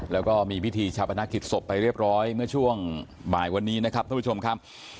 แล้วก็มีพิธีชาปนกิจศพไปเรียบร้อยเมื่อช่วงบ่ายวันนี้นะครับท่านผู้ชมครับ